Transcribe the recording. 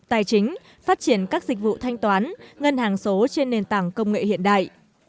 tài chính phát triển các dịch vụ thanh toán ngân hàng số trên nền tảng công nghệ hiện đại